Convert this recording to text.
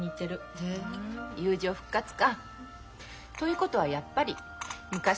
へえ友情復活か。ということはやっぱり昔の話か。